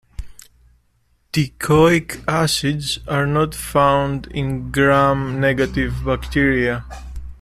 Teichoic acids are not found in Gram-negative bacteria.